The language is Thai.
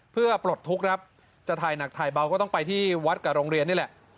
เพื่อปลดทุกข์ครับจะถ่ายหนักถ่ายเบาก็ต้องไปที่วัดกับโรงเรียนนี่แหละ